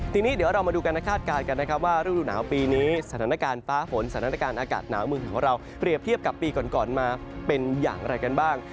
ทีนี้เดี๋ยวเรามาดูการคาดการณ์กันนะครับว่าฤดูหนาวปีนี้สถานการณ์ฟ้าฝนสถานการณ์อากาศหนาวเมืองไทยของเราเปรียบเทียบกับปีก่อนมาเป็นอย่างไรกันบ้าง